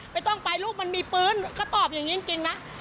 ไม่ต้องไปลูกมันมีปืนก็ตอบอย่างนี้จริงนะ